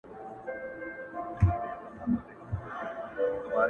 چي دا مي څرنگه او چاته سجده وکړه~